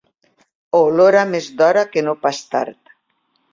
Ho olora més d'hora que no pas tard.